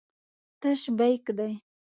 تش بیک دی.